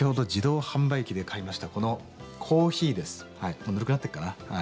もうぬるくなってるかな。